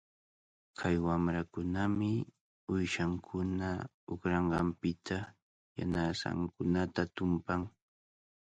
Kay wamrakunami uyshankuna uqranqanpita yanasankunata tumpan.